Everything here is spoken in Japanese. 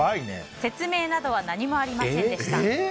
説明などは何もありませんでした。